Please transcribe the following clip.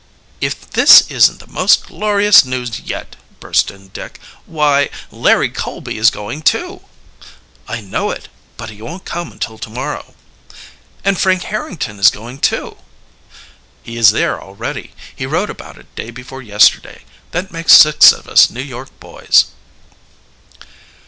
"If this isn't the most glorious news yet!" burst in Dick. "Why, Larry Colby is going too!" "I know it. But he won't come until tomorrow." "And Frank Harrington is going too." "He is there, already he wrote about it day before yesterday. That makes six of us New York, boys."